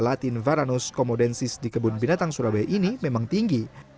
latin varanus komodensis di kebun binatang surabaya ini memang tinggi